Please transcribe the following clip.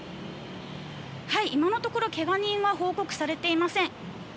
今のところけが人は報告されていません。